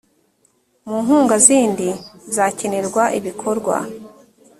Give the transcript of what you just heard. mu nkunga zindi zakenerwa ibikorwa